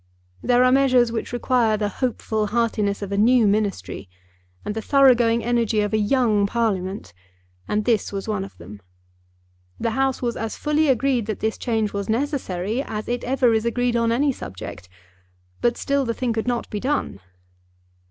There are measures which require the hopeful heartiness of a new Ministry, and the thorough going energy of a young Parliament, and this was one of them. The House was as fully agreed that this change was necessary, as it ever is agreed on any subject, but still the thing could not be done.